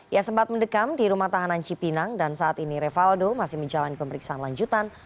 ia sempat mendekam di rumah tahanan cipinang dan saat ini revaldo masih menjalani pemeriksaan lanjutan